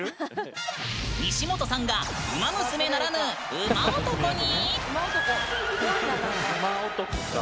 西本さんがウマ娘ならぬウマ男に。